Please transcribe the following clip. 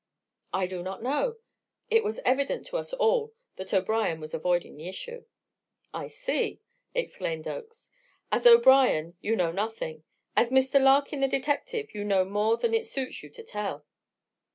"I do not know." It was evident to us all that O'Brien was avoiding the issue. "I see," exclaimed Oakes. "As O'Brien you know nothing; as Mr. Larkin the detective you know more than it suits you to tell."